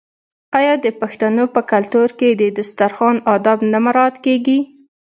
آیا د پښتنو په کلتور کې د دسترخان اداب نه مراعات کیږي؟